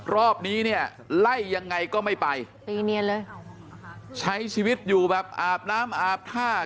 รอบนี้เนี่ยไล่ยังไงก็ไม่ไปตีเนียนเลยใช้ชีวิตอยู่แบบอาบน้ำอาบท่า